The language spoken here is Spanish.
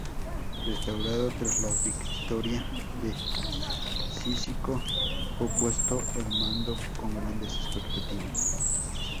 Restaurado tras la victoria de Cícico, fue puesto al mando con grandes expectativas.